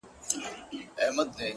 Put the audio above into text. کيسې د پروني ماښام د جنگ در اچوم ـ